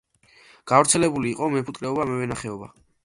გავრცელებული იყო მეფუტკრეობა, მევენახეობა.